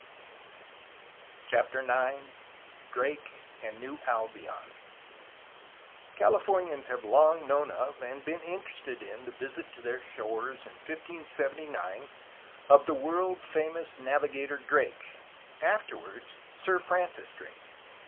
by Awnsham and CHAPTER IX DRAKE AND NEW ALBION Californians have long known of and been interested in the visit to their shores in 1579 of the world famous navi gator Drake, afterwards Sir Francis Drake.